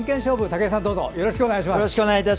武井さん、よろしくお願いします。